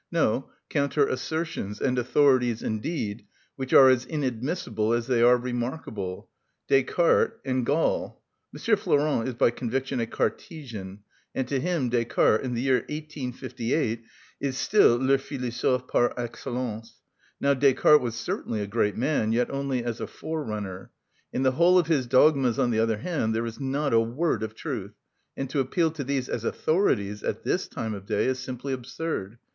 No, counter assertions(37) and authorities, indeed, which are as inadmissible as they are remarkable—Descartes and Gall! M. Flourens is by conviction a Cartesian, and to him Descartes, in the year 1858, is still "le philosophe par excellence." Now Descartes was certainly a great man, yet only as a forerunner. In the whole of his dogmas, on the other hand, there is not a word of truth; and to appeal to these as authorities at this time of day is simply absurd.